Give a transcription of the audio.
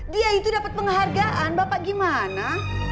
dia itu dapat penghargaan bapak gimana